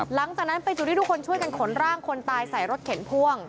หลังจากนั้นเป็นจุดที่ทุกคนช่วยกันขนร่างคนตายใส่รถเข็นพ่วง